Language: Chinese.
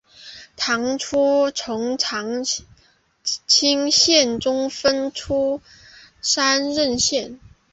唐初从长清县中分出山荏县。